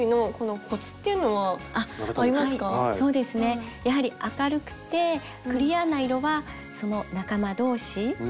そうですねやはり明るくてクリアな色はその仲間同士。